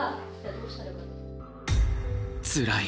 つらい。